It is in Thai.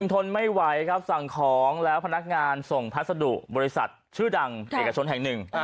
ทนไม่ไหวครับสั่งของแล้วพนักงานส่งพัสดุบริษัทชื่อดังเอกชนแห่งหนึ่ง